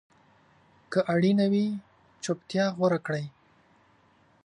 که اړینه وي، چپتیا غوره کړئ.